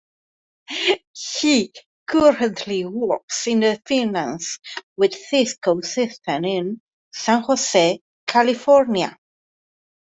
He currently works in Finance, with Cisco systems in, San Jose, California.